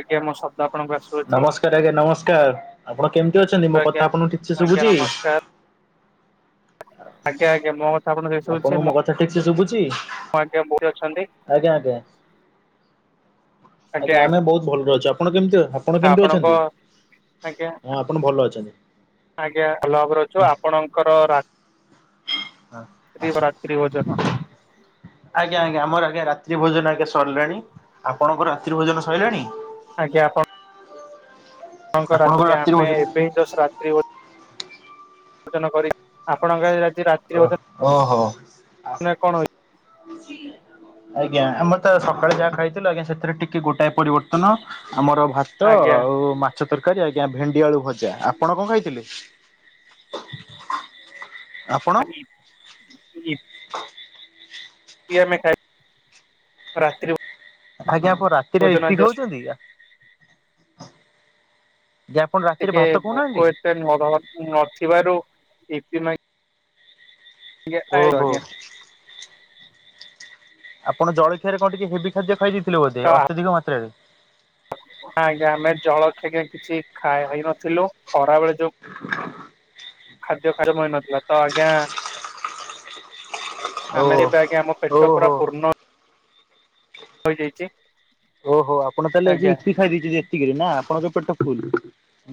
ଆଜ୍ଞା ମୋ ଶବ୍ଦ ଆପଣଙ୍କୁ ଆସୁଅଛି? ସାରେ ଆଜ୍ଞା ନମସ୍କାର ଆପଣ କେମତି ଅଛନ୍ତି ମୋ ଆଜ୍ଞା। କଥା ଆପଣଙ୍କୁ ଠିକ୍ ସେ ଆଜ୍ଞା ଶୁଭୁଚି? ନମସ୍କାର ଆଜ୍ଞା ଆଜ୍ଞା ମୋ କଥା ଆପଣ ହେ ଆପଣଙ୍କୁ ମୋ କଥା ଠିକ୍ ସେ ଶୁଭୁଚି? ଆଜ୍ଞା ବୋଉ ଅଛନ୍ତି ଆଜ୍ଞା ଆଜ୍ଞା ଆଜ୍ଞା ଆମେ ବୋହୁତ ଭଲରେ ଅଛୁ ଆପଣ କେମତି ଆପଣ କେମତି ଆପଣଙ୍କ ଅଛନ୍ତି ଆଜ୍ଞା ମୁଁ ଆପଣ ଭଲ ଅଛନ୍ତି। ଆଜ୍ଞା ଭଲ ଭାବରେ ଅଛୁ ଆପଣଙ୍କର ରା ହଁ। ରାତ୍ରି ଭୋଜନ ଆଜ୍ଞା ଆଜ୍ଞା ଆମର ଆଜ୍ଞା ରାତ୍ରି ଭୋଜନ ଆଜ୍ଞା ସରିଲାଣି ଆପଣଙ୍କର ରାତ୍ରି ଭୋଜନ ସଇଲାଣି? ଆଜ୍ଞା ଆପଣ ଆପଣଙ୍କ ଆପଣଙ୍କର ରାତ୍ରିରେ ରାତ୍ରି ଆମେ ଭୋଜନ ଏବେ ହିଁ ଜସ୍ ରାତ୍ରି ଭୋ ଭୋଜନ କରିି ଆପଣଙ୍କ ଆଜି ରାତି ରା ଓ ଓହୋ। କଣ ହେଇଛି ଆଜ୍ଞା ଆମେ ତ ସକାଳେ ଯାହା ଖାଇଥିଲୁ ଆଜ୍ଞା ସେଥିରେ ଟିକେ ଗୋଟାଏ ପରିବର୍ତ୍ତନ ଆମର ଭା ତ ଆଜ୍ଞା ଆଉ ମାଛ ତରକାରୀ ଆଜ୍ଞା ଭେଣ୍ଡି ଆଳୁ ଭଜା ଆପଣ କଣ ଖାଇଥିଲେ? ଆ ଥିଉ [inaudible] ତି ଆମେ ଖାଇ ରାତ୍ରି ଭୋ ଆଜ୍ଞା ଆପଣ ରାତିରେ ଇପି ଖାଉଚନ୍ତି ଆ ଆପଣ ରାତିରେ ଟିକେ ଭାତ ଖାଉନାହାନ୍ତି? ଭୋକ ଏତେ ନହବା ନଥିବାରୁ ଇପି ମା ଟିକେ ଖାଇଲୁ ଓହୋ ଆଜ୍ଞା। ଆପଣ ଜଳଖିଆରେ କଣ ଟିକେ ହେବି ଖାଦ୍ୟ ଖାଇ ଦେଇଥିଲେ ବୋଧେ ଅତ୍ୟଧିକ ମାତ୍ରାରେ। ନା ଆଜ୍ଞା ଆମେ ଜଳଖିଆ କିଛି ଖାଇ ହେଇନଥିଲୁ ଖରା ବେଳେ ଯୋଉ [inaudible] ଖାଦ୍ୟ ହଜମ ହେଇନଥିଲା। ତ ଆଜ୍ଞା ଓ ଆମେ ଏବେ ଆଜ୍ଞା ଆମ ପେଟ ପୁରା ଓହୋ ପୂର୍ଣ୍ଣ ହୋଇଯାଇଛି। ଓହୋଃ ଆପଣ ତାହେଲେ ଆଜ୍ଞା ୟିପି ଖାଇ ଦେଇଛନ୍ତି ଏତିକି ରେ ନା ଆପଣଙ୍କ ପେଟ ଫୁଲ।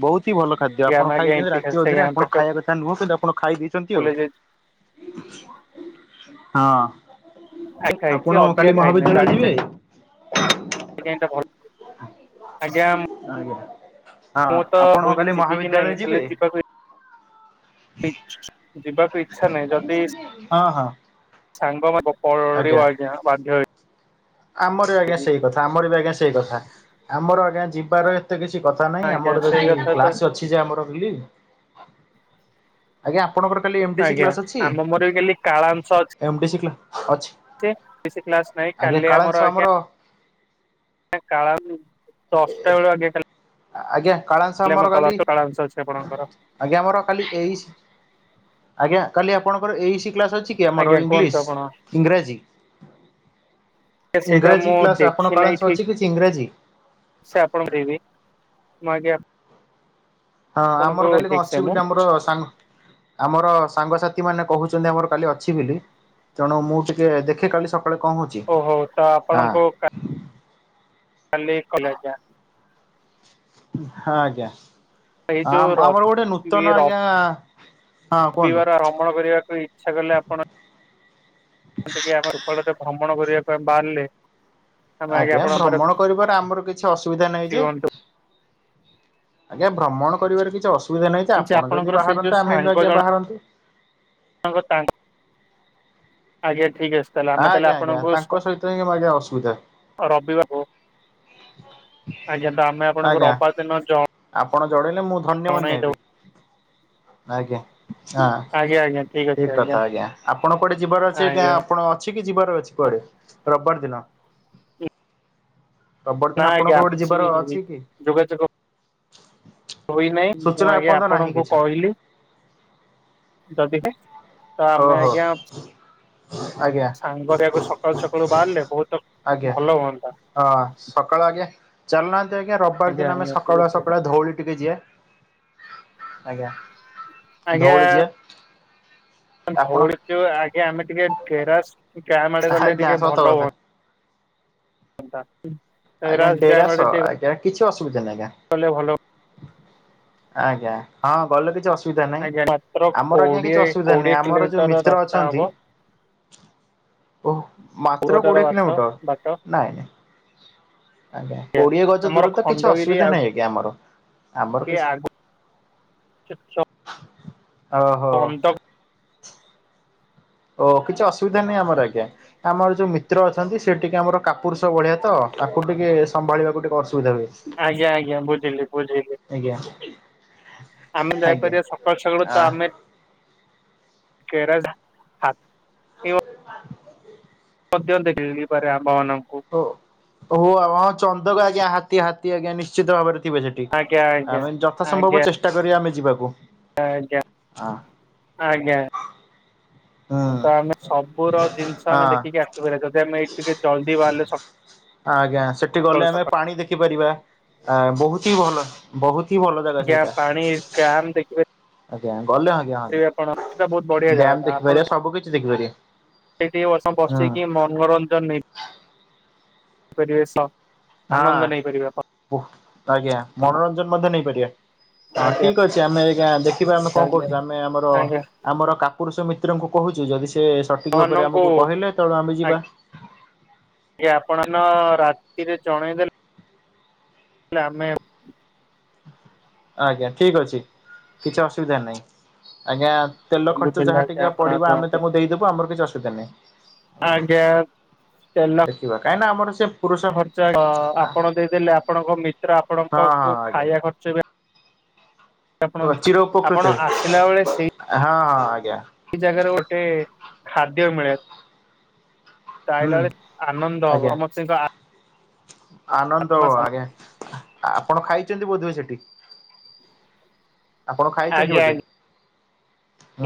ବହୁତ ହି ଭଲ ଖାଦ୍ୟ ଆମେ ଆପଣ ଆଜ୍ଞା ଖାଇଛନ୍ତି ଏମତି ରାତି ଆଜ୍ଞା ଅଧରେ। ଆପଣ ପେଟ ଖାଇବା କଥା ନୁହଁ କିନ୍ତୁ ଆପଣ ଖାଇ ଦେଇଛନ୍ତି ଆଉ। [unintelligible] ହଁ। ଖାଇଛି ଆପଣ ଅଧିକା କାଲି ଖାଇନି ମୁଁ ମହାବିଦ୍ୟାଳୟ ଜାଣିଛି ଯିବେ? [unintelligible] ଆଜ୍ଞା ଆଜ୍ଞା। ହଁ ମୁଁ ତ ଆପଣ ପୁରୀ କାଲି ଯିବି କି ନାଇଁ ମହାବିଦ୍ୟାଳୟ ଯିବେ? ହେଲେ ଯିବାକୁ ଯିବାକୁ [unintelligible] ଇଚ୍ଛା ନାହିଁ ଯଦି ହଁ ହଁ ସାଙ୍ଗ [unintelligible] ପଡ଼ିବ ଆଜ୍ଞା ବାଧ୍ୟ ହେଇ ଆମର ବି ଆଜ୍ଞା ସେଇ କଥା ଆମର ବି ଆଜ୍ଞା ସେଇ କଥା ଆମର ଆଜ୍ଞା ଯିବାର ଏତେ କିଛି କଥା ନହିଁ ଆଜ୍ଞା ଆମର ସେଇ ଯଦି କଥା ତ କ୍ଲାସ ଅଛି ଯେ ଆମର ବେଲି ଆଜ୍ଞା ଆପଣଙ୍କର କାଲି ଏମ୍ ଡ଼ି ସି ଆଜ୍ଞା କ୍ଲାସ ଅଛି? ଆମ ମୋର ବି କାଲି କାଳାଂଶ ଏମ୍ ଡ଼ି ସି କ୍ଲା ଅଛି। [unintelligible] କିଛି କ୍ଲାସ ନାଇଁ। ଆଜ୍ଞା କାଲି କାଳାଂଶ ଆମର ଆଜ୍ଞା କାଳ [unintelligible] ଦଶଟା ବେଳୁ ଆଜ୍ଞା କାଲି ଆଜ୍ଞା କାଳାଂସ ଆମ ଆମର କାଳ କାଲି କାଳାଂଶ ଅଛି ଆପଣଙ୍କର। ଆଜ୍ଞା ଆମର କାଲି ଏ ଇ ସି ଆଜ୍ଞା କାଲି ଆପଣଙ୍କର ଏ ଇ ସି କ୍ଲାସ୍ ଅଛି କି? ଆମର ଆଜ୍ଞା ଇଂଲିଶ କୁହନ୍ତୁ ଆପଣ ଇଂରାଜୀ। ସେଇଟା ଇଂରାଜୀ ମୁଁ କ୍ଲାସ ଆପଣ ଦେଖି ନାହିଁ କଳାଂସ ଅଛି ଠିକ୍ କିଛି ଇଂରାଜୀ? ସେ ଆପଣ [unintelligible] ମୁଁ ଆଜ୍ଞା ହଁ ଆପଣଙ୍କୁ ଆମର କାଲି ଠିକ୍ କଣ ସେ ଅଛି ମୁଁ ବୋଲି ଆମର ସାଙ୍ଗ ଆମର ସାଙ୍ଗ ସାଥି ମାନେ କହୁଛନ୍ତି ଆମର କାଲି ଅଛି ବୋଲି। ତେଣୁ ମୁଁ ଟିକେ ଦେଖେ କାଲି ସକାଳେ କଣ ହଉଛି। ଓହୋଃ ତ ହଁ ଆପଣଙ୍କୁ କା କାଲି କଲେଜ ଯା ହଁ ଆଜ୍ଞା। ଏଇ ଆ ଯୋଉ ର ଆମର ଗୋଟେ ଏଇ ନୂତନ ଆଜ୍ଞା ହଁ କୁହନ୍ତୁ ରବିବାର ଭ୍ରମଣ କରିବାକୁ ଇଚ୍ଛା କଲେ ଆପଣ ଯେମିତିକି ଆମେ [unintelligible] ଭ୍ରମଣ କରିବା ପାଇଁ ବାହାରିଲେ। ଆମେ ଆଜ୍ଞା ଆପଣଙ୍କ ପରେ ଭ୍ରମଣ କରିବାରେ ଆମର କିଛି ଅସୁବିଧା ନାହିଁ ଖୁସି ଯେ ହୁଅନ୍ତୁ। ଆଜ୍ଞା ଭ୍ରମଣ କରିବାର କିଛି ଅସୁବିଧା ନାହିଁ ଯେ, ଆପଣ ଯଦି ଆପଣଙ୍କର ସେ ଯୋଉ ବାହାରନ୍ତେ ଆମେ ବି ସାଙ୍ଗ ଆଜ୍ଞା ବାହାରନ୍ତୁ। [unintelligible] ଆଜ୍ଞା ଠିକ ଅଛି। ତାହେଲେ ଆମେ ତାହେଲେ ଆଜ୍ଞା ଆଜ୍ଞା ଆପଣଙ୍କୁ ତାଙ୍କ ସହିତ ହିଁ ଆମେ ଆଜ୍ଞା ଅସୁବିଧା। ରବିବାର ଆମେ [inaudible] ଆପଣଙ୍କୁ ଆଜ୍ଞା ରବିବାର ଦିନ ଆପଣ ଜଣେଇଲେ ମୁଁ ଧନ୍ୟ ମନେ ଜଣେଇଦବୁ। ହେବି। ଆଜ୍ଞା [unintelligible] ଆଜ୍ଞା ଆଜ୍ଞା ଅଛି ଠିକ କଥା ଆଜ୍ଞା ଆପଣ କୁଆଡ଼େ ଯିବାର ଅଛି ଆଜ୍ଞା ଆପଣ ଅଛି କି ଯିବାର ଅଛି କୁଆଡ଼େ ରବିବାର ଦିନ? ରବିବାର ଦିନ ନାଁ ଆପଣଙ୍କର ଆଜ୍ଞା ଗୋଟେ କିଛି ଯିବାର ଅଛି କି ଯୋଗାଯୋଗ ହୋଇ ନାହିଁ ମୁଁ ସୂଚନା ଆଜ୍ଞା ଏପର୍ଯ୍ୟନ୍ତ ନାହିଁ ଆପଣଙ୍କୁ କିଛି କହିଲି। [unintelligible] ତ ଆମେ ଓହୋ ଆଜ୍ଞା ଆଜ୍ଞା ସାଙ୍ଗରେଆକୁ ସକାଳୁ ସକାଳୁ ବାହାରିଲେ ବହୁତ ଆଜ୍ଞା ଭଲ ହୁଅନ୍ତା। ହଁ ସକାଳ ଆଜ୍ଞା ଚାଲୁ ନାହାଁନ୍ତି ଆଜ୍ଞା ରବିବାର ଆଜ୍ଞା ଦିନ ଆମେ ଆଜ୍ଞା ଠିକ ସକାଳୁଆ ଅଛି ସକାଳୁଆ ଧଉଳି ଟିକେ ଯିିବା। ଆଜ୍ଞା। ଧଉଳି ଯିବା। ଆପଣ ଧଉଳି ଯିବା ଆଜ୍ଞା ଆମେ ଟିକେ ଗେରାସ୍ ଗ୍ୟାସ୍ ଆଡେଊ ଗଲେ ଆଜ୍ଞା ଟିକେ ସତ ଭଲ କଥା ହୁଅନ୍ତା। [unintelligible] ଆଜ୍ଞା ଡେରାସ ଆଜ୍ଞା କିଛି ଅୁବିଧାହିଁଜ୍ଞା। କଲେ ଭଲ ଆଜ୍ଞା ହଁ ଗଲ କିଛି ଅଶ୍ ସୁବିଧା ନାହିଁ ଆଜ୍ଞା ମାତ୍ର ଆମର ଆଜ୍ଞା କିଛି କୋଡିଏ ଅସୁବିଧା ନାଁ କୋଡିଏ ଆମର ଯୋଉ କିଲୋମିଟର ମିତ୍ର ରାସ୍ତା ଅଛନ୍ତି। ହବ ଓହ ମାତ୍ର ଦୂରତାର କୋଡ଼ିଏ ବାଟ ବାଟ ଆଜ୍ଞା କିଲୋମିଟର ନାଇଁ। ଆଜ୍ଞା କୋଡିଏ ଗଜ ଆମର ଦୂର ତ କିଛି ଖଣ୍ଡଗିରି ଅସୁବିଧା ଆଉ ନାହିଁ ଆଜ୍ଞ ଆମର। ଆମର କିଛି [unintelligible] ଓହୋ। ଅନ୍ଧ ଓ କିଛି ଅସୁବିଧା ନାହିଁ ଆମର ଆଜ୍ଞା। ଆମର ଯୋଉ ମିତ୍ର ଅଛନ୍ତି ସେ ଟିକେ ଆମର କାପୁରସ ଭଳିିଆ ତ ତାକୁ ଟିକେ ସମ୍ଭାଳିବାକୁ ଟିକେ ଅସୁବିଧା ହୁଏ। ଆଜ୍ଞା ଆଜ୍ଞା ବୁଝିଲି ବୁଝିଲି। ଆଜ୍ଞା। ଆମେ ଆଜ୍ଞା ଦାଇପରି ସକାଳୁ ସକାଳୁ ଆ ତ ଆମେ କେରା ହାତୀ [inaudible] ମଧ୍ୟ ଦେ ମିଳିପାରେ ଆମ୍ଭ ମାନଙ୍କୁ। ଓ ହୋ ଆଉ ହଁ ଚନ୍ଦକ ଆଜ୍ଞା ହାତୀ ହାତୀ ଆଜ୍ଞା ନିଶ୍ଚିତ ଭାବରେ ଥିବେ ସେଠି ଆଜ୍ଞା ଆମେ ଯଥା ସମ୍ଭବ ଆଜ୍ଞା ଚେଷ୍ଟା କରିବା ଆମେ ଯିବାକୁ। ଆଜ୍ଞା ହଁ ଆଜ୍ଞା। [unintelligible] ହୁଁ। ତ ଆମେ ସବୁର ଜିନିଷ ଆମେ ହଁ ଦେଖିକି ଆସିପାରିବା ଯଦି ଆମେ ଏଇ ଟିକେ ଜଲ୍ଦି ବାହାରିଲେ ସ ଆଜ୍ଞା ସେଠି ଗଲେ ଆମେ ପାଣି ଦେଖିପାରିବା ଆ ବହୁତ ହି ଭଲ। ବହୁତ ହି ଭଲ ଲା ଆଜ୍ଞା ପାଣି ଗାମ ଦେଖିବେ। ଆଜ୍ଞା ଗଲେ ଆଜ୍ଞା ହଁ ଆପଣ ସେଟା ବହୁତ ବଢିଆ ଡ୍ୟାମ ଜାଗାଟା ଆପଣ ଦେଖିପାରିବା ସବୁ କିଛି ଦେଖିପାରିବା ସେଇଠି ବର୍ଷ ହୁଁ ବସିକି ମନୋରଞ୍ଜନ ନେଇ ପରିବେଶ। ହଁ ଉହ୍ ଆଜ୍ଞା ଆପଣ ମନୋରଞ୍ଜନ ମଧ୍ୟ ନେଇପାରିବା। ହଁ ଆଜ୍ଞା ଠିକ କ ଅଛି ଆମେ ଆଜ୍ଞା ଦେଖିବା ଆମେ କଣ ଆଜ୍ଞା କରୁଛୁ ଆମେ ଆମର ଆଜ୍ଞା ଆମର କାପୁରୁଷ ମିତ୍ରଙ୍କୁ କହୁଛୁ ଯଦି ସେ ସଠିକ ଭାବରେ ସେମାନଙ୍କୁ ଆମକୁ କହିଲେ ତେଳୁ ଆମେ ଯିବା। [unintelligible] ହେଲେ ଆମେ ଆଜ୍ଞା ଠିକ ଅଛି କିଛି ଅସୁବିଧା ନାହିଁ। ଆଜ୍ଞା ତେଲ ସବୁ ଖର୍ଚ୍ଚ ଦେଲେ ଯାହା ଆଜ୍ଞା ଟିକେ ଆପଣ ଆଗ ପଡିବ ଆମେ ଆଜ୍ଞା ତାଙ୍କୁ ଦେଇଦବୁ ଆମର କିଛି ଅଶୁବିଧା ନାହିଁ। ଆଜ୍ଞା ତେଲ କିବା କାହିଁନା ଆମର ସେ ପୁରୁଷ ହଁ ଖର୍ଚ୍ଚ ଆପଣ ଦେଇଦେଲେ ଆପଣଙ୍କ ମିତ୍ର ଆପଣଙ୍କ ହଁ କୁ ଆଜ୍ଞା। ଖାଇବା ଖର୍ଚ୍ଚ ବେ ଓ ଆପଣ୍ ଚିର ଉପକୃତ ଆପଣ ହଁ ଆସିଲା ବେଳେ ସେଇ ହଁ ଆଜ୍ଞା ସେଇ ଜାଗାରେ ଗୋଟେ ଖାଦ୍ୟ ମିଳେ। ତା ହୁଁ ହିଲା ବେଳେ ଆନନ୍ଦ ଆଜ୍ଞା। ହବ ମଚିତା ଆନନ୍ଦ ହବ ଆଜ୍ଞା ଆପଣ ଖାଇଚନ୍ତି ବୋଧେ ସେଠି? ଆପଣ ଖାଇଚନ୍ତି ବୋଧେ?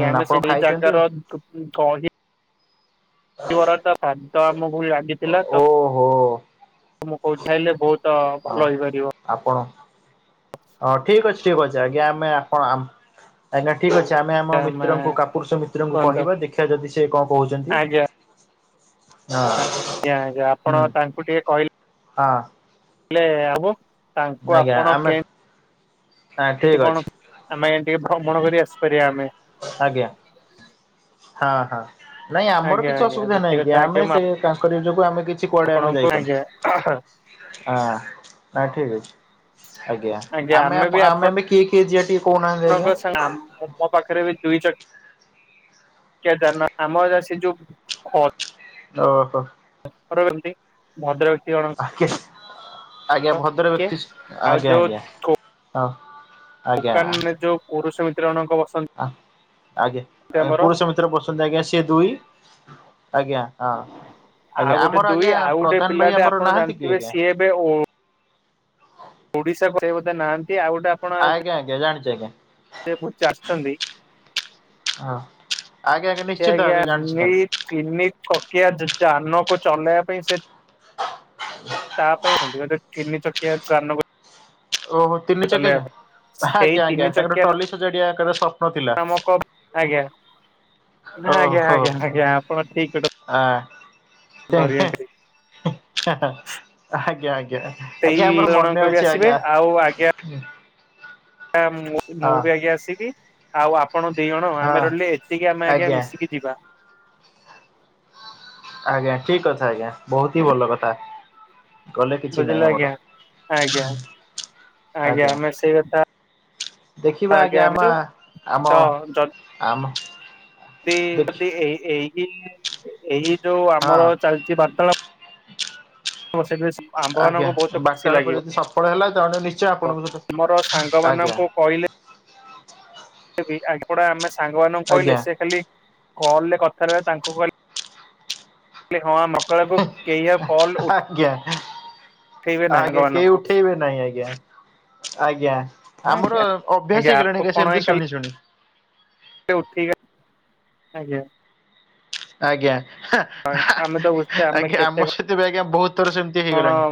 କି ଆମେ ଆପଣ ସେଇ ଖାଇଛନ୍ତି ଜାଗାର। ଆଉ [unintelligible] ତମ ଓହୋ କହୁଛାଇଲେ ବହୁତ ହଁ। ଭଲ ହେଇପାରିବ। ଆପଣ ହଁ ଠିକ୍ ଅଛି ବଛା ଆଜ୍ଞା ଆମେ ଆପଣ ଆ ଆଜ୍ଞା ଠିକ୍ ଅଛି ଆମେ ଆମ ଆମେ ମିତ୍ରଙ୍କୁ କାପୁରୁଷ ମିତ୍ରଙ୍କୁ କୁହନ୍ତୁ କହିବା ଦେଖିବା ଯଦି ସେ କଣ କହୁଛନ୍ତି? ଆଜ୍ଞା ହଁ ଆଞ୍ଜା ହୁଁ ଆପଣ ତାଙ୍କୁ ଟିକେ କହିଲେ ହଁ। ହେଲେ ଆବୁ ତାଙ୍କୁ ଆଜ୍ଞା ଆପଣ ଆମେ କେ ହଁ ମ୍ ଠିକ୍ କେମତି ଅଛି କଣ ଆମେ ଟିକେ ଭ୍ରମଣ କରି ଆସି ପାରିବା ଆମେ। ଆଜ୍ଞା। ହଁ ହଁ। ନାଇଁ ଆମର ଆଜ୍ଞା କିଛି ଆଜ୍ଞା ଅସୁବିଧା ଯତି ନାହିଁ କି କଥା ଆଜ୍ଞା ଆମେ ମୁଁ ସେ ତାଙ୍କରି ଯୋଗୁ ଆମେ କିଛି କୁଆଡେ ଆମେ ଆପଣଙ୍କୁ ଆଜ୍ଞା ଯାଇପାରୁନ। ଆ ଆ ଠିକ୍ ଅଛି। ଆଜ୍ଞା ଆମେ ଆପ ଆମେ ଆମେ ଏବେ କିଏ କିଏ ଯିବା ଟିକେ କହୁନାହାନ୍ତି ଆଜ୍ଞା? ଆମ୍ ମୋ ପାଖରେ ବି ଦୁଇ ଚ ଚାକିଆ ଯାନ ଆମ ସେ ଯୋଉ ଓହୋ [unintelligible] ଭଦ୍ରକ [unintelligible] ଆଜ୍ଞା ଭଦ୍ର କିଏ ବ୍ୟକ୍ତି ଆଉ ଆଜ୍ଞା ଆଜ୍ଞା ହଉ। ଦୋକାନ ଯୋଉ ପୁରୁଷ ମିତ୍ର ମାନଙ୍କ ବସ୍। ଆ ଆଜ୍ଞା ପୁରୁଷ ମି [unintelligible] ପସିଚନ୍ତି ଆଜ୍ଞା ସେ ଦୁଇ ଆଜ୍ଞା ହଁ। ଆଜ୍ଞା ଆଉ ଗୋଟେ ଆମର ଦୁଇ ଆଜ୍ଞା ଆଉ ଗୋଟେ ପ୍ରଧାନ ଭାଇ ପିଲାଟେ ଆମର ଆପଣ ନାହାନ୍ତି କି ଜାଣିଥିବେ ଆଜ୍ଞା ସିଏ ଏବେ ଓ ଓଡିଶାକୁ ସେ ବୋଧେ ନାହାନ୍ତି ଆଉ ଗୋଟେ ଆପ୍ ଆଗେ ଆଗେ ଜାଣିଚି ଆଜ୍ଞା। [unintelligible] ହଁ ଆଗେ ଆଗେ ସେ ନିଶ୍ଚିତ ଆଜ୍ଞା ଭାବେ ଜାଣିଚି ଏଇ ତାକୁ। ତିନି କଟିଆ ଯାନକୁ ଚଲେଇବା ପାଇଁ ସେ ତା ପାଇଁ [unintelligible] ତିନି ଚକିଆ କାନ ଓହୋ ତିନି ଚକିଆ ଯା ସେଇ ଆଜ୍ଞା ଆଜ୍ଞା ତାଙ୍କର ଟଲି ସଜାଡିଆବା କାରସ କାମକ ଆଜ୍ଞା ନାଆଜ୍ଞା ଆଜ୍ଞା ଆଜ୍ଞା ଆଜ୍ଞା ଆପଣ ଠିକ୍ କଟ ଆ [inaudible] ଆଜ୍ଞା ଆଜ୍ଞା ସେଇ ଆଜ୍ଞା ଆମର ଜଣଙ୍କ ମନେ ବି ଅଛି ଆସିବେ ଆଜ୍ଞା। ଆଉ ଆଜ୍ଞା ମୁଁ ହଁ ବି ଆଜ୍ଞା ଆସିବି ଆଉ ଆପଣ ଦି ଜଣ ହଁ ଆମେ ରହିଲେ ଏତିକି ଆମେ ଆଜ୍ଞା ମିଶିକି ଯିବା। ଆଜ୍ଞା ଠିକ୍ କଥା ଆଜ୍ଞା ବହୁତି ହିଁ ଭଲ କଥା। ଗଲେ କିଛି ବୁଝିଲେ ନାଇଁ ଆମର। ଆଜ୍ଞା। ଆଜ୍ଞା ଆଜ୍ଞା ଆମେ ସେଇ କଥା ଦେଖିବା ଆଜ୍ଞା ଆମା ତ ଆମ ଯଦି ଆମ ଦେଖି ଯଦି ଏଇ ଏଇ [unintelligible] ଏଇ ଯୋଉ ହଁ ଆମର ଚାଲିଛି ବାର୍ତାଳ ତ ସେଥିରେ ଆଜ୍ଞା ଆମ୍ଭମାନଙ୍କୁ ବହୁତ ଖୁସି ବାର୍ତ୍ତାଳାପ ଲାଗିବ। [unintelligible] ପ ସହିତ ଆମର ସାଙ୍ଗ ଆଜ୍ଞା ମାନଙ୍କୁ କହିଲେ [unintelligible] ଆମେ ସାଙ୍ଗମାନଙ୍କୁ କହିଲେ ଆଜ୍ଞା ସେ ଖାଲି କଲରେ କଥା ରହ ତାଙ୍କୁ କହିଲେ [unintelligible] ମକରାକୁ କେହି ଆଉ କଲ ଉଠ ଆଜ୍ଞା ଆଜ୍ଞା କେହି ମାନଙ୍କୁ ଉଠେଇବେ ନାଇଁ ଆଜ୍ଞା ଆଜ୍ଞା ଆମର ଆଜ୍ଞା। ଆଜ୍ଞା ଅଭ୍ୟାସ ହେଇଗଲାଣି ଆପଣ କେ ସେମତି ଶୁଣି ଶୁଣି। ଉଠେଇକା ଆଜ୍ଞା ଆଜ୍ଞା ହେ ହା ଆମେ ତ ବୁଝେ ଆମେ ଆଜ୍ଞା କେତେ ଆମର ସେଥିପାଇଁ କା ବହୁତ ଥର ସେମିତି କଣ ହେଇଗଲାଣି।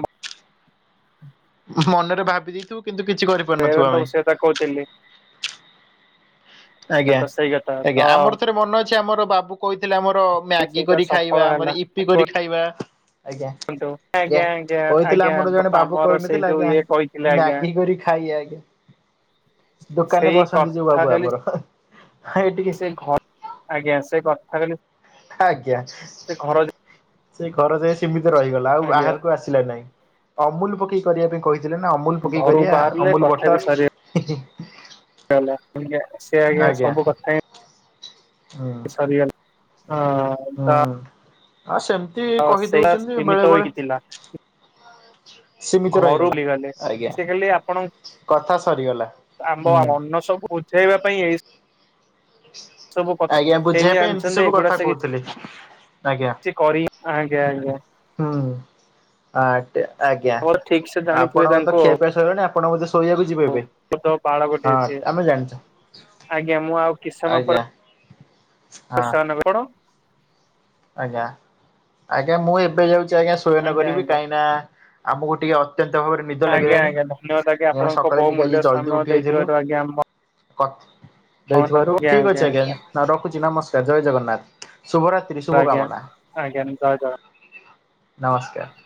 ମନରେ ଭାବି ଦେଇଥିବୁ କିନ୍ତୁ କିଛି କରି [unintelligible] ସେତା କହୁଥିଲି। ଆଜ୍ଞା। ତ ସେଇ କଥା ତ ଆଜ୍ଞା ଆମର ଥରେ ମନେ ଅଛି ଆମର ବାବୁ କହିଥିଲେ ଆମର ମ୍ୟାଗି ସେଇଟା କରି ସଫଳ ଖାଇବା ହେଲା ଆମର ଇ ପି କରି ଖାଇବା। ଆଜ୍ଞା କୁହନ୍ତୁ ଆଜ୍ଞା ଆଜ୍ଞା କହିଥିଲେ ଆଜ୍ଞା ଆମର ଜଣେ ବାପା ବାବୁ ଆମର ସେଇ କହିନଥିଲେ ଯୋଉ ଆଜ୍ଞା ଇଏ କହିଥିଲେ ଆଜ୍ଞା ମ୍ୟାଗି କରି ଖାଇଆଇ ଦୋକାନରେ ସେଇ ବସନ୍ତି ଯୋଉ କଥା ବାବୁ ଖାଲି ଆମର ହାଁ ହେ ଟିକେ [unintelligible] ଆଜ୍ଞା ସେ କଥା କହିଲେ ଆଜ୍ଞା। ସେ ଘର ଯାଏ ସେମିତି ରହିଗଲା ଆଉ ଆଜ୍ଞା ବାହାରକୁ ଆସିଲା ନାହିଁ ଅମୁଲ ପକେଇ କରିବା ପାଇଁ କହି ନା ଅମୁଲ ପକେଇ ଘରୁ କରିବା ବାହାରିଲେ ଅମୁଲ କଥା ବଟର ବି ସରିଗଲା। ହିଁ, ହିଁ [unintelligible] ସେ ଆଜ୍ଞ ଆଜ୍ଞା ସବୁ କଥା ହୁଁ ଏ ସରିଗଲେ ହଁ। ହୁଁ ଆ ସେମତି କହିଦଉଛନ୍ତି ବେଳେ ବେଳେ ନା ସୀମିତ ଘରୁ ରହିଗଲା [unintelligible] ଆଜ୍ଞା। ସେ ଖାଲି ଆପଣ କଥା ସରିଗଲା। ଆମ ଆଜ୍ଞା ଅନସ କୁ ବୁଝେଇବା ପାଇଁ ଏଇ ସବୁ କଥା ସେ ବି ବୁଝେଇବା ପାଇଁ ଏମିତି ଜାଣିଛନ୍ତି ସବୁ ଏଗୁଡା କଥା ସେ କିଛି କହୁଥିଲି ଆଜ୍ଞା। କିଛି କରି ଆଜ୍ଞା ଆଜ୍ଞା। ହୁଁ ଆଦ୍ୟ ଆଜ୍ଞା ମୋର ଠିକ ସେ ଜାଣିଥିବେ ଆପଣଙ୍କ ତ ଖିଆପିଆ [unintelligible] ଆପଣ ବଧେ ଶୋଇବାକୁ ଯିବେ ଏବେ ଅବୋଧ ବାଳକ ଟିଏ ହଁ ଅଛି ଆମେ ଜାଣିଛୁ। ଆଜ୍ଞା ମୁଁ ଆଉ କିସ ସମୟ ଆଜ୍ଞା ପରେ ହଁ [unintelligible] କଣ ଆଜ୍ଞା ଆଜ୍ଞା ମୁଁ ଏବେ ଯାଉଛି ଆଜ୍ଞା ଶୁୟନ କରିବି କାହିଁକି ନା ଆମକୁ ଟିକେ ଅତ୍ୟନ୍ତ ଭାବରେ ନିଦ ଆଜ୍ଞା ଲାଗିଲାଣି ଆଜ୍ଞା ଧନ୍ୟବାଦ ଆଜ୍ଞା ଏମ ଆପଣଙ୍କ ସକାଳେ ଟିକେ ଆଜି ବହୁମୂଲ୍ୟ ଜଲଦି ସମୟ ଉଠି ଯାଇଥିଲୁ। ଦେଇଥିବାରୁ ଆଜ୍ଞା ଆମ [unintelligible] ଦେଇଥିବାରୁ ଠିକ ଅଛି ଆଜ୍ଞା। ରଖୁଛି ନମସ୍କାର, ଜୟ ଜଗନ୍ନାଥ, ଶୁଭରାତ୍ରି, ଆଜ୍ଞା ଆଜ୍ଞା ଶୁଭକାମନା। ଜୟ ଜଗନ୍ନାଥ ନମସ୍କାର।